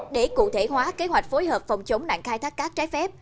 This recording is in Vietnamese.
để cụ thể hóa kế hoạch phối hợp phòng chống nạn khai thác cát trái phép